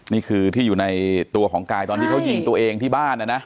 นี่คือที่อยู่ในตัวของกายตอนที่เขายิงตัวเองที่บ้านนะนะ